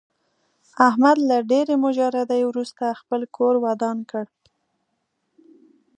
احمد له ډېرې مجردۍ ورسته خپل کور ودان کړ.